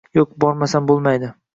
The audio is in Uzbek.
Yo`q, bormasam bo`lmaydi